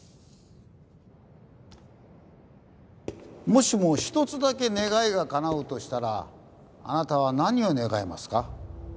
もしも１つだけ願いがかなうとしたらあなたは何を願いますか？